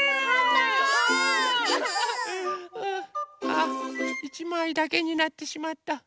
あ１まいだけになってしまった。